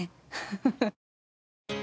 フフフ。